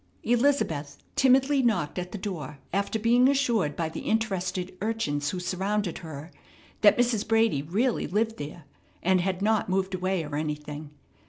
Elizabeth timidly knocked at the door after being assured by the interested urchins who surrounded her that Mrs. Brady really lived there, and had not moved away or anything.